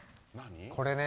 これね